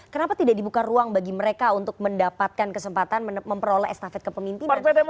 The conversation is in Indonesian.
kenapa tidak dibuka ruang bagi mereka untuk mendapatkan kesempatan memperoleh estafet kepemimpinan